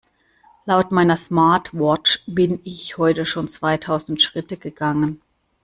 Laut meiner Smartwatch bin ich heute schon zweitausend Schritte gegangen.